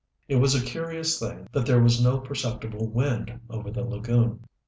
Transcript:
It was a curious thing that there was no perceptible wind over the lagoon.